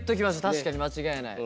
確かに間違いない。